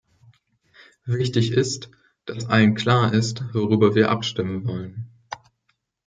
Wichtig ist, dass allen klar ist, worüber wir abstimmen wollen.